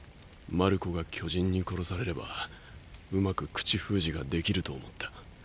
マルコが巨人に殺されればうまく口封じができると思った。